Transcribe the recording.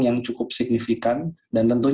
yang mementingkan estava berada di luar jerman